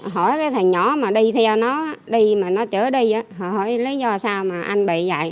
hỏi cái thằng nhỏ mà đi theo nó đi mà nó chở đi họ hỏi lý do sao mà anh bị vậy